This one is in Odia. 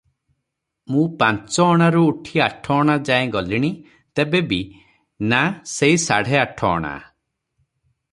ମୁଁ ପାଞ୍ଚଅଣାରୁ ଉଠି ଆଠଅଣା ଯାଏ ଗଲିଣି, ତେବେ, ବି ନା, ସେଇ ସାଢେ ଆଠଅଣା ।